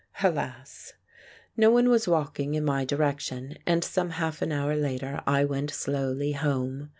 Alas! No one was walking in my direction, and some half an hour later I went slowly home.